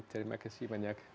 terima kasih banyak